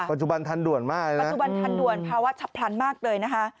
ปัจจุบันทันด่วนมากเลยนะ